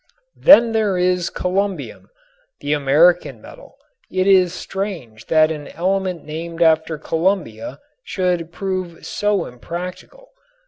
Then there is columbium, the American metal. It is strange that an element named after Columbia should prove so impractical.